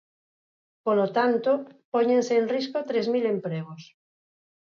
Polo tanto, póñense en risco tres mil empregos.